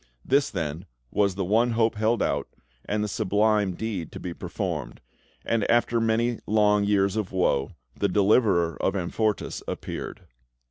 This, then, was the one hope held out, and the sublime deed to be performed; and, after many long years of woe, the deliverer of Amfortas appeared.